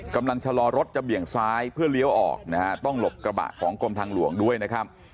กำลังชะลอรถจะเบี่ยงซ้ายเพื่อเลี้ยวออกนะฮะต้องหลบกระบะของกรมทางหลวงด้วยนะครับ